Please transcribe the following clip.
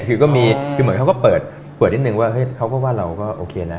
คือก็มีคือเหมือนเขาก็เปิดเปิดนิดนึงว่าเฮ้ยเขาก็ว่าเราก็โอเคนะ